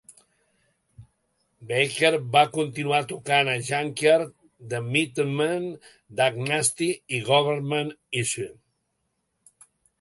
Baker va continuar tocant a Junkyard, the Meatmen, Dag Nasty i Government Issue.